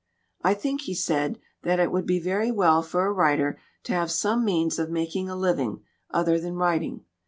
"I think," he said, "that it would be very well for a writer to have some means of making a living other than writing.